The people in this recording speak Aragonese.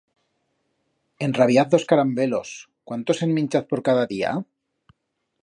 En rabiaz d'os carambelos, cuántos en minchaz por cada día?